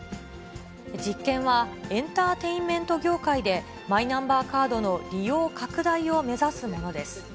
実験はエンターテインメント業界でマイナンバーカードの利用拡大を目指すものです。